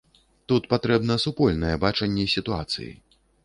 Тут патрэбна супольнае бачанне сітуацыі.